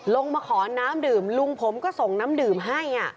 มาขอน้ำดื่มลุงผมก็ส่งน้ำดื่มให้